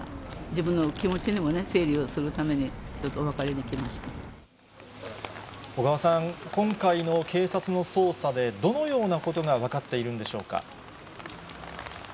自分の気持ちにもね、整理をするために、ちょっとお別れに来まし小川さん、今回の警察の捜査で、どのようなことが分かっているんでしょうか。